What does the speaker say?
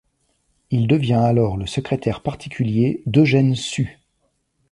Il devient alors le secrétaire particulier d'Eugène Sue.